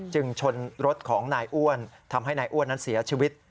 ชนรถของนายอ้วนทำให้นายอ้วนนั้นเสียชีวิต